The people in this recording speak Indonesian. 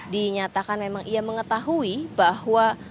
dinyatakan memang ia mengetahui bahwa